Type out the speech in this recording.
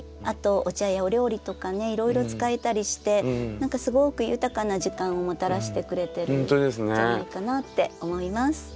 あとお茶やお料理とかねいろいろ使えたりして何かすごく豊かな時間をもたらしてくれてるんじゃないかなって思います。